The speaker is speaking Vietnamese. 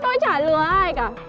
tôi chả lừa ai cả